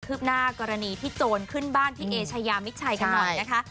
ขึ้นหน้ากรณีที่โจรขึ้นบ้านพี่เอ๋ชายามิดชัยขนาดนี้นะคะ